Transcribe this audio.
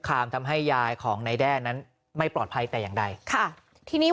คามทำให้ยายของนายแด้นั้นไม่ปลอดภัยแต่อย่างใดค่ะทีนี้